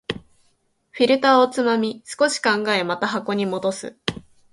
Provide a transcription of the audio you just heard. フィルターをつまみ、少し考え、また箱に戻す